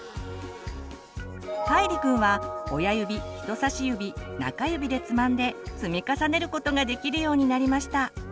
かいりくんは親指人さし指中指でつまんで積み重ねることができるようになりました。